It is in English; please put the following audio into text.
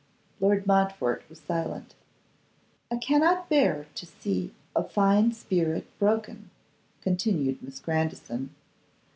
Lord Montfort was silent. 'I cannot bear to see a fine spirit broken,' continued Miss Grandison.